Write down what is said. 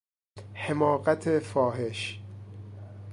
حماقت فاحش